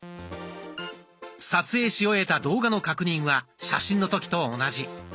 撮影し終えた動画の確認は写真の時と同じ。